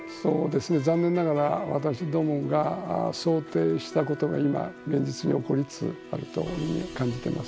残念ながら私どもが想定したことが今、如実に起こりつつあると感じています。